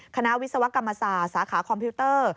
วิศวกรรมศาสตร์สาขาคอมพิวเตอร์